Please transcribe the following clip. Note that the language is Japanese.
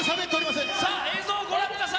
さあ、映像をご覧ください。